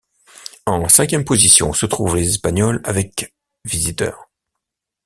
En cinquième position se trouvent les Espagnols avec visiteurs.